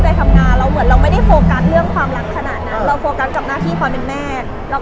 และก็หน้าที่การทั้งงานของเรา